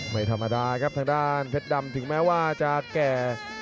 ไม่ธรรมดาครับทางด้านเพชรดำถึงแม้ว่าจะแก่